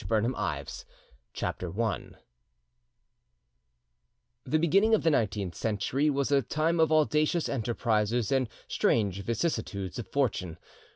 *ALI PACHA* CHAPTER I The beginning of the nineteenth century was a time of audacious enterprises and strange vicissitudes of fortune.